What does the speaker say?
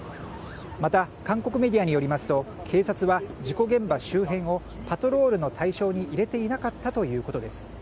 また、韓国メディアによりますと警察は事故現場周辺をパトロールの対象に入れていなかったということです。